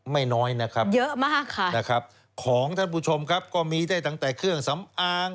ไม่น้อยนะครับของท่านผู้ชมครับก็มีได้ตั้งแต่เครื่องสำอาง